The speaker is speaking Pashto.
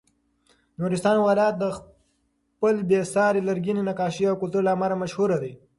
نورستان ولایت د خپلو بې ساري لرګینو نقاشیو او کلتور له امله مشهور دی.